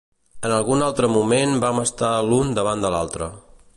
En algun altre moment vam estar l'un davant de l'altre.